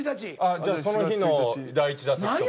じゃあその日の第１打席とか。